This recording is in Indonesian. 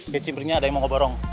di cimbrinya ada yang mau ngobrol